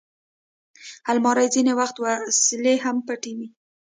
الماري کې ځینې وخت وسلې هم پټې وي